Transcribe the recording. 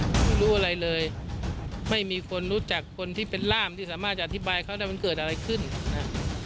ไม่รู้อะไรเลยไม่มีคนรู้จักคนที่เป็นร่ามที่สามารถจะอธิบายเขาได้มันเกิดอะไรขึ้นนะฮะ